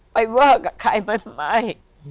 ไปเวิร์กกับใครไม่